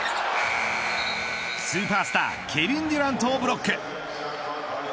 スーパースターケビン・デュラントをブロック。